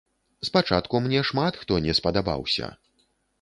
Спачатку мне шмат хто не спадабаўся.